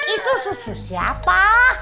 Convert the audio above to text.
itu susu siapa